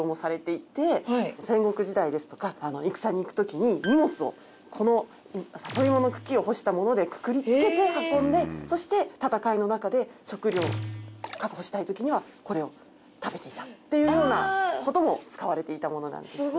戦国時代ですとか戦に行く時に荷物をこの里芋の茎を干したものでくくりつけて運んでそして戦いの中で食料を確保したい時にはこれを食べていたっていうようなことも使われていたものなんです。